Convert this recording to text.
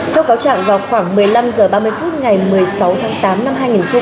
theo cáo trạng vào khoảng một mươi năm h ba mươi phút ngày một mươi sáu tháng tám năm hai nghìn hai mươi ba